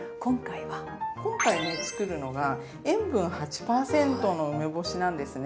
今回ね作るのが塩分８％の梅干しなんですね。